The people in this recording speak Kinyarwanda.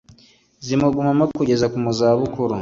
zimugumamo kugeza mu za bukuru,